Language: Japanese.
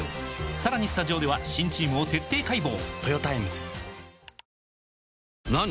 さらにスタジオでは新チームを徹底解剖！